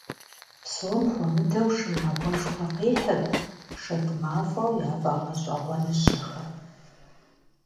Псом хуэмыдэу шынагъуэшхуэ къихьырт шэд мафӀэу яфӀэгъэщӀэгъуэныщэхэм.